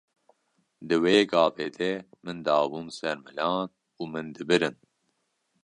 Di wê gavê de min dabûn ser milan û min dibirin.